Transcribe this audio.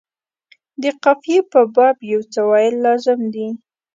د قافیې په باب یو څه ویل لازم دي.